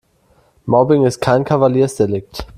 Mobbing ist kein Kavaliersdelikt.